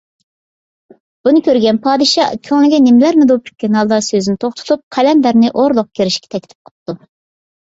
بۇنى كۆرگەن پادىشاھ كۆڭلىگە نېمىلەرنىدۇر پۈككەن ھالدا سۆزىنى توختىتىپ، قەلەندەرنى ئوردىغا كىرىشكە تەكلىپ قىپتۇ.